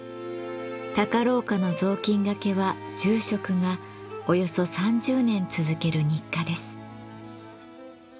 高廊下の雑巾がけは住職がおよそ３０年続ける日課です。